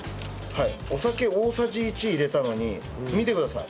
はいお酒大さじ１入れたのに見てください。